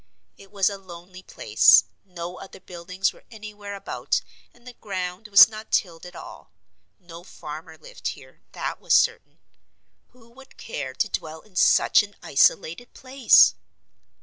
It was a lonely place no other buildings were anywhere about and the ground was not tilled at all. No farmer lived here, that was certain. Who would care to dwell in such an isolated place?